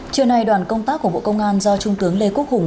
trưa nay đoàn công tác của bộ công an do trung tướng lê quốc hùng